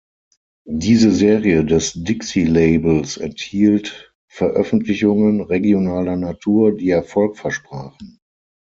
Diese Serie des Dixie-Labels enthielt Veröffentlichungen regionaler Natur, die Erfolg versprachen.